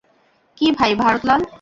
কী ভাই ভারত লাল।